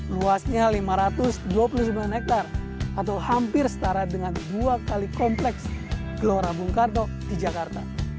luasnya lima ratus dua puluh sembilan hektare atau hampir setara dengan dua kali kompleks gelora bung karno di jakarta